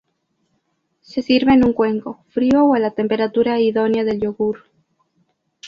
Se sirve en un cuenco, frío o a la temperatura idónea del yogur.